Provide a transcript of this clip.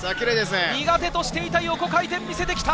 苦手としていた横回転を見せてきた。